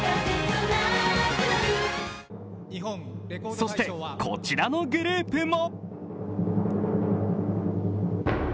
そして、こちらのグループも。